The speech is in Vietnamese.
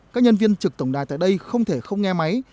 các nhân viên trực tổng đài tại đây không thể không nghe máy